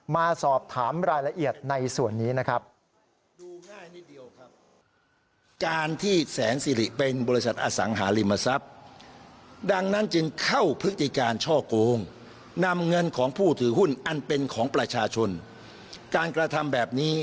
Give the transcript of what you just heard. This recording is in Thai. มาสอบถามรายละเอียดในส่วนนี้นะครับ